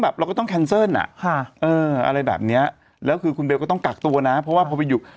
ฟรีนตึกอีกคนเยอะแล้วคือคุณเบลก็ต้องกักตัวนะเพราะว่าพอไปอยู่